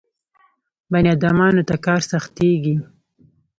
بني ادمانو ته کار سختېږي.